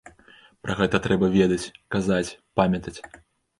Пра гэта трэба ведаць, казаць, памятаць.